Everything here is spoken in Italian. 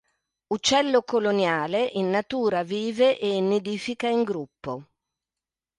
Uccello coloniale, in natura vive e nidifica in gruppo.